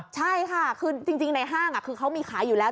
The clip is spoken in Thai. ใช่ค่ะคือจริงในห้างคือเขามีขายอยู่แล้ว